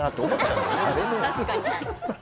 確かに。